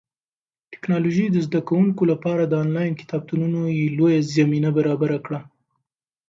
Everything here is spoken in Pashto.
ټیکنالوژي د زده کوونکو لپاره د انلاین کتابتونونو لویه زمینه برابره کړه.